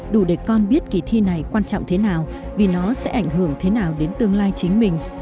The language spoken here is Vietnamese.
đủ để con biết kỳ thi này quan trọng thế nào vì nó sẽ ảnh hưởng thế nào đến tương lai chính mình